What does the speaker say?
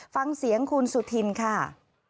ฟังเสียงคุณสุธินค่ะ